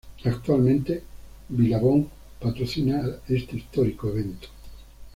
Actualmente, Billabong patrocina este histórico evento.